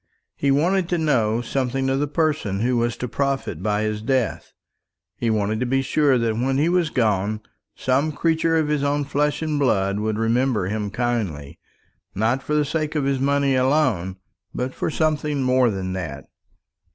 He wanted to know something of the person who was to profit by his death; he wanted to be sure that when he was gone some creature of his own flesh and blood would remember him kindly; not for the sake of his money alone, but for something more than that.